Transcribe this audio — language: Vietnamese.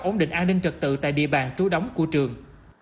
ổn định an ninh trật tự tại địa bàn trú đóng của trường